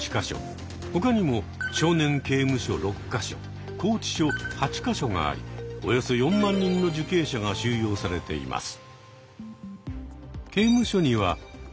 他にも少年刑務所６か所拘置所８か所がありおよそ４万人の受刑者が収容されています。